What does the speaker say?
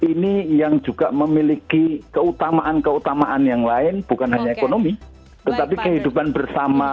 ini yang juga memiliki keutamaan keutamaan yang lain bukan hanya ekonomi tetapi kehidupan bersama